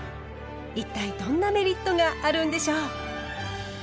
一体どんなメリットがあるんでしょう？